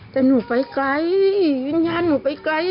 แต่หนูไปไกลวิญญาณหนูไปไกล